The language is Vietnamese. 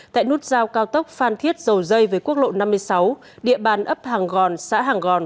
tại nút giao cao tốc phan thiết dầu dây với quốc lộ năm mươi sáu địa bàn ấp hàng gòn xã hàng gòn